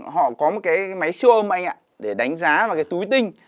họ có một cái máy siêu âm anh ạ để đánh giá vào cái túi tinh